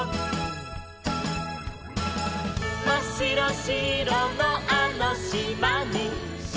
「まっしろしろのあのしまに」